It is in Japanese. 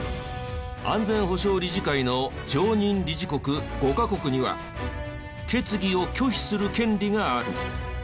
安全保障理事会の常任理事国５カ国には決議を拒否する権利がある。